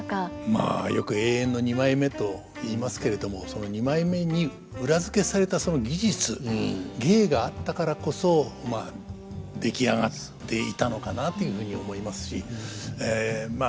まあよく永遠の二枚目と言いますけれどもその二枚目に裏付けされたその技術芸があったからこそまあ出来上がっていたのかなというふうに思いますしま